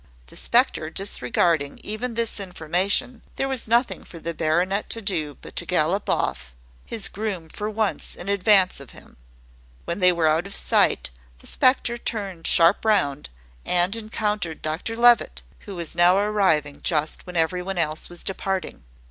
The spectre disregarding even this information, there was nothing for the baronet to do but to gallop off his groom for once in advance of him. When they were out of sight, the spectre turned sharp round, and encountered Dr Levitt, who was now arriving just when every one else was departing.